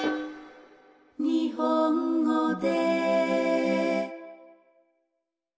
「にほんごで」